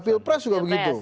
pilpres juga begitu